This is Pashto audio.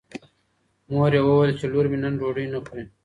مور یې وویل چې لور مې نن ډوډۍ نه خوري.